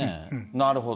なるほど。